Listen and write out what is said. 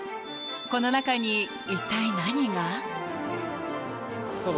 この中に一体何が？